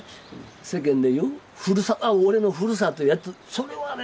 世間で言う俺のふるさとやとそれはね